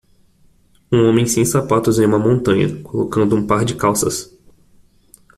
Um homem sem sapatos em uma montanha, colocando um par de calças.